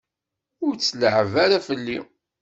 Ur tt-leεεeb ara fell-i!